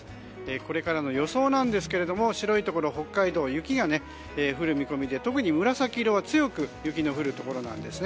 これからの予想なんですが白いところ、北海道雪が降る見込みで特に紫色は強く雪の降るところです。